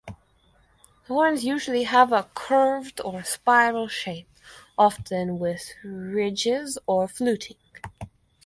Horns usually have a curved or spiral shape, often with ridges or fluting.